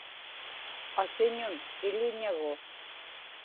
asiñun iḷiñagu